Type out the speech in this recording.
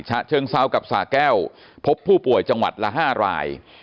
ฉะเชิงเซากับสาแก้วพบผู้ป่วยจังหวัดละ๕ราย